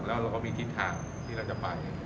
แล้วเราก็มีทิศทางที่เราจะไป